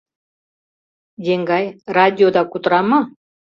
— Еҥгай, радиода кутыра мо?